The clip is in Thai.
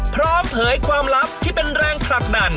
เผยความลับที่เป็นแรงผลักดัน